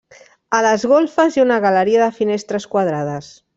A les golfes hi ha una galeria de finestres quadrades.